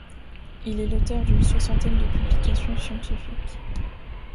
Il est l’auteur d'une soixantaine de publications scientifiques.